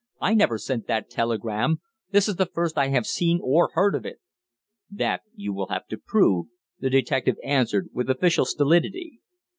I never sent that telegram; this is the first I have seen or heard of it." "That you will have to prove," the detective answered, with official stolidity.